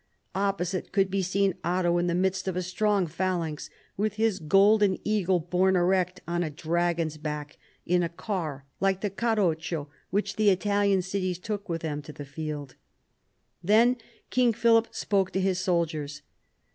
Opposite could be seen Otto in the midst of a strong phalanx, with his golden eagle borne erect on a dragon's back, in a car like the carroccio which the Italian cities took with them to the field. Then King Philip spoke to his soldiers.